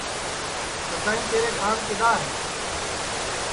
سدائیں تیرے کھانگ کدؔا ہے